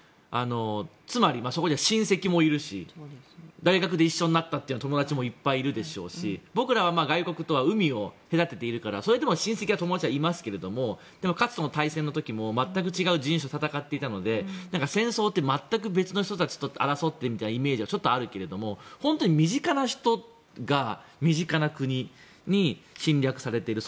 つまり、そこには親戚もいるし大学で一緒になったという友達もいっぱいいるでしょうし僕らは外国とは海を隔てているからそれでも親戚や友達はいますけれどもかつての大戦の時も全く違う人種と戦っていたので戦争って全く別の人たちと争ってみたいなイメージがあるけれど本当に身近な人が身近な国に侵略されている。